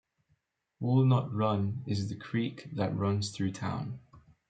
Walnut Run is the creek that runs through town.